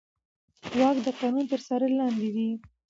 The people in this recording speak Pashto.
واک د قانون تر څار لاندې وي.